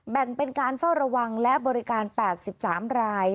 แบ่งเป็นการเฝ้าระวังและบริการ๘๓ราย